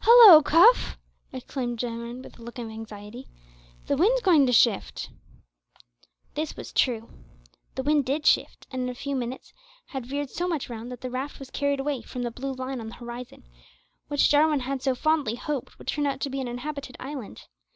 "Hallo! Cuff," exclaimed Jarwin, with a look of anxiety, "the wind's going to shift." This was true. The wind did shift, and in a few minutes had veered so much round that the raft was carried away from the blue line on the horizon, which Jarwin had so fondly hoped would turn out to be an inhabited island.